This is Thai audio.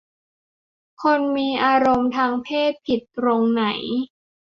คนมีอารมณ์ทางเพศผิดตรงไหน